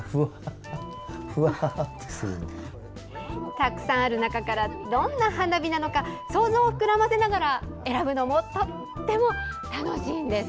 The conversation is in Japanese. たくさんある中からどんな花火なのか想像を膨らませながら選ぶのもとっても楽しいんです。